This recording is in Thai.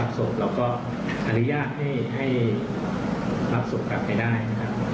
กรรยากให้ย่านรับส่งกลับไปนะครับ